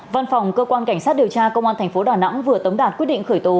văn phòng cơ quan cảnh sát điều tra công an tp đà nẵng vừa tấm đạt quyết định khởi tố